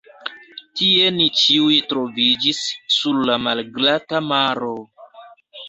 Tie ni ĉiuj troviĝis, sur la malglata maro!